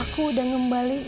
aku udah ngembali ke rumahnya